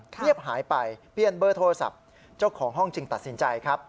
เงียบหายไปเปลี่ยนเบอร์โทรศัพท์เจ้าของห้องจึงตัดสินใจครับ